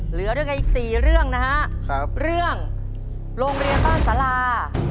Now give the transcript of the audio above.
เหลือด้วยกันอีก๔เรื่องนะฮะเรื่องโรงเรียนบ้านสารา